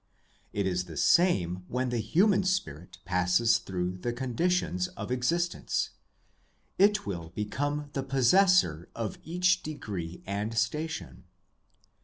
It is the same when the human spirit passes through the conditions of existence: it will become the possessor of each degree and station.